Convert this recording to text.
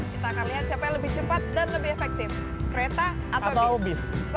kita akan lihat siapa yang lebih cepat dan lebih efektif kereta atau bis